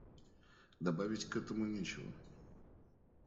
Добавить к этому нечего.